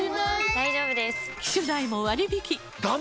大丈夫です！